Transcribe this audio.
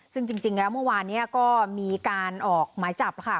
ซึ่งจริงแล้วเมื่อวานนี้ก็มีการออกหมายจับค่ะ